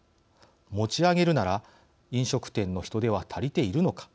持ち上げるなら飲食店の人手が足りているのか。